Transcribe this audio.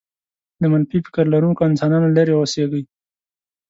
له منفي فکر لرونکو انسانانو لرې اوسېږئ.